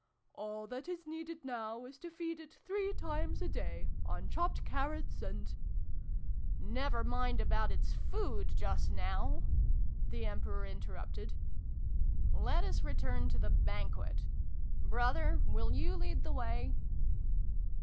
" All that is needed now is to feed it three times a day, on chopped carrots and ."" Never mind about its food, just now !" the Emperor interrupted. " Let us return to 392 SYLVIE AND BRUNO CONCLUDED. the Banquet. Brother, will you lead the way